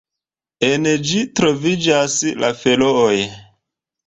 En ĝi troviĝas la Ferooj.